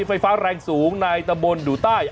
ไฟฟ้าแรงสูงในตะบนดูใต้